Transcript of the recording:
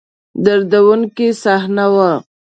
دردوونکې صحنه وه.